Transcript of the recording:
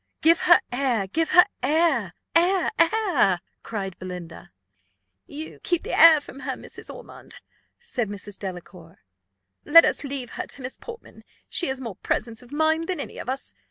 "Give her air give her air, air, air!" cried Belinda. "You keep the air from her, Mrs. Ormond," said Mrs. Delacour. "Let us leave her to Miss Portman; she has more presence of mind than any of us."